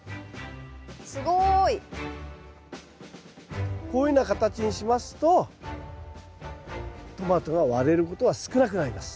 すごい。こういうふうな形にしますとトマトが割れることは少なくなります。